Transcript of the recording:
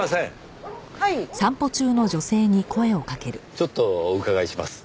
ちょっとお伺いします。